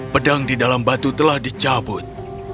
pedang di dalam batu telah dicabut